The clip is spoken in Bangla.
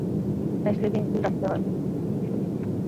তাই স্লিপিং পিল রাখতে হয়।